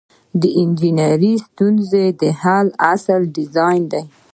د انجنیری د ستونزو د حل اصل ډیزاین دی.